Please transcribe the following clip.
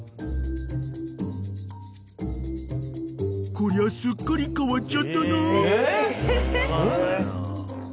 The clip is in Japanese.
［こりゃすっかり変わっちゃったな］